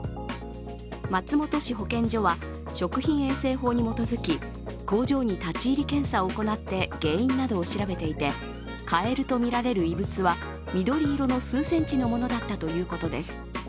松本市保健所は食品衛生法に基づき、工場に立ち入り検査を行って、原因などを調べていてカエルとみられる異物は緑色の数センチのものだったということです。